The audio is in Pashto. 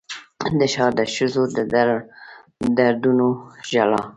د ښار د ښځو د دردونو ژړا